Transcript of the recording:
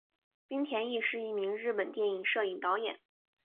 滨田毅是一名日本电影摄影导演。